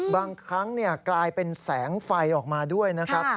บางครั้งกลายเป็นแสงไฟออกมาด้วยนะครับ